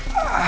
serah dulu ah